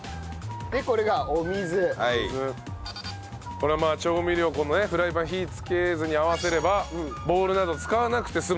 これは調味料をフライパンに火つけずに合わせればボウルなどを使わなくて済むという。